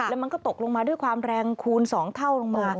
แล้วมันก็ตกลงมาด้วยความแรงคูณ๒เท่าลงมา